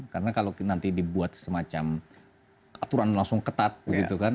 karena kalau nanti dibuat semacam aturan langsung ketat gitu kan